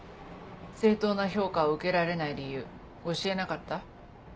正当な評価を受けられない理由教えなかった？